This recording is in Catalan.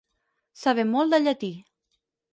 Saber molt de llatí.